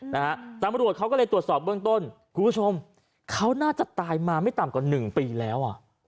นะฮะตำรวจเขาก็เลยตรวจสอบเบื้องต้นคุณผู้ชมเขาน่าจะตายมาไม่ต่ำกว่าหนึ่งปีแล้วอ่ะ